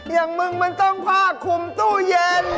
อย่างมึงมันต้องผ้าคุมตู้เย็น